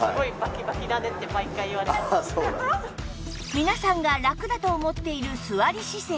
皆さんがラクだと思っている座り姿勢